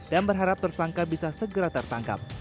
dan berharap tersangka bisa segera tertangkap